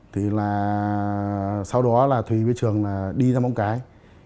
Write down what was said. thì là sau đó thùy với trường đi ra bóng cái